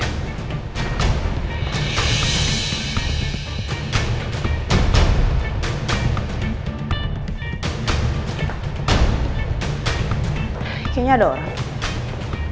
kayaknya ada orang